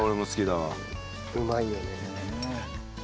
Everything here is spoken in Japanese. うまいよね。